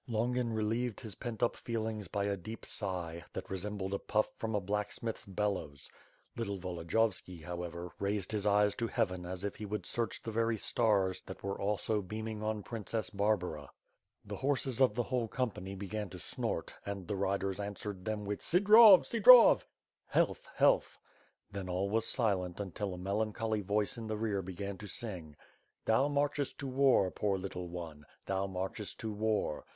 Longin relieved his pent up feelings by a deep sigh, that resembled a puff from a blacksmith's bellows. Little Volodi yovski, however, raised his eyes to heaven as if he would search the very stars that were also beaming ,on Princess Barbara. The horses of the whole company began to sno* . and the riders answered them with "Sdrov, Sdrov!" (Health! health!) Then all was silent imtil a melancholy voice in the rear began sing: " Thou marchest to irar, poor Utile one Thou marchest to war